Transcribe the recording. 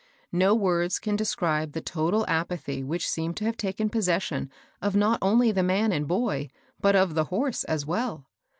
No words can describe the total apathy which seemed to have taken possession of not only the man and boy, but of the horse as well.